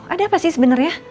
ada apa sih sebenernya